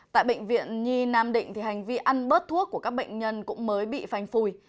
tại bệnh viện nhi nam định hành vi ăn bớt thuốc của các bệnh nhân cũng mới bị phanh phùi